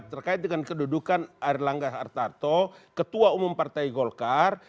terkait dengan kedudukan arlangga artarto ketua umum partai golkar